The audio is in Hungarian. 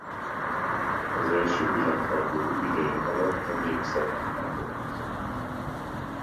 Az első világháború ideje alatt a Népszavánál dolgozott.